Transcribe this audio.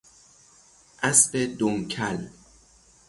اسب دم کل